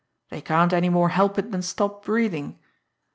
They can't any more help it than stop breathing.